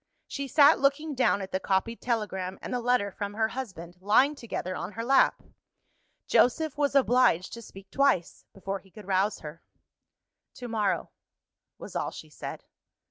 She sat looking down at the copied telegram and the letter from her husband, lying together on her lap. Joseph was obliged to speak twice, before he could rouse her. "To morrow," was all she said.